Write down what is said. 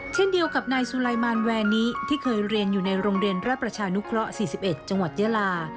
เช่นเดียวกับนายสุไลมานแวนิที่เคยเรียนอยู่ในโรงเรียนราชประชานุเคราะห์๔๑จังหวัดยาลา